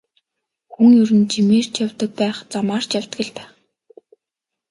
Хүн ер нь жимээр ч явдаг байх, замаар ч явдаг л байх.